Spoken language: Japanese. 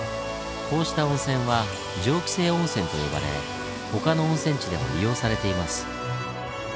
こうした温泉は「蒸気井温泉」と呼ばれ他の温泉地でも利用されています。